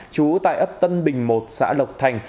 chú tại ấp tân bình một xã lộc thành